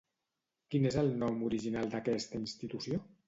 Quin és el nom original d'aquesta institució?